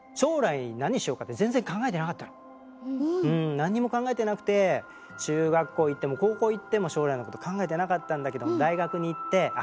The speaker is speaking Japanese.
何にも考えてなくて中学校行っても高校行っても将来のこと考えてなかったんだけど大学に行ってあ